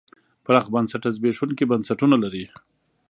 پراخ بنسټه زبېښونکي بنسټونه لري.